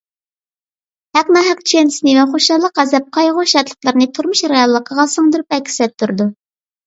ھەق – ناھەق چۈشەنچىسىنى ۋە خۇشاللىق، غەزەپ، قايغۇ، شادلىقلىرىنى تۇرمۇش رېئاللىقىغا سىڭدۈرۈپ ئەكس ئەتتۈرىدۇ.